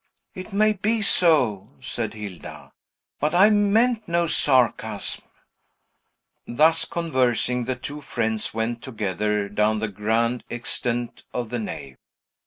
"It may be so," said Hilda; "but I meant no sarcasm." Thus conversing, the two friends went together down the grand extent of the nave.